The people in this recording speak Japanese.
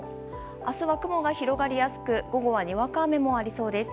明日は雲が広がりやすく午後は、にわか雨もありそうです。